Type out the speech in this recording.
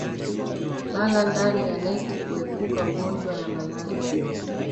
Lala ndani ya neti kuepuka ugonjwa ya malaria